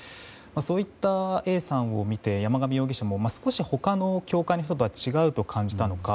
そういったＡさんを見て、山上容疑者も少し他の教会の人と違うと感じたのか。